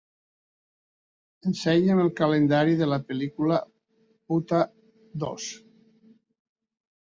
Ensenya'm el calendari de la pel·lícula "Puta II".